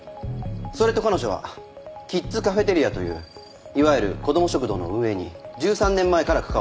それと彼女はキッズカフェテリアといういわゆる子供食堂の運営に１３年前から関わっています。